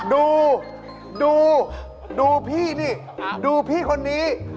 ดูดูพี่นี่ดูพี่คนนี้